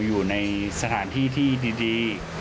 อยู่ในสถานที่ที่ดี